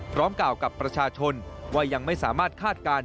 กล่าวกับประชาชนว่ายังไม่สามารถคาดการณ์